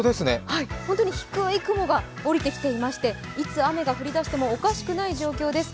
本当に低い雲が下りてきていましていつ雨が降り出してもおかしくない状況です。